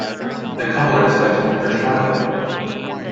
The couple are expecting their first child.